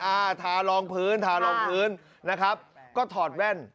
อ่าทารองพื้นทารองพื้นนะครับก็ถอดแว่น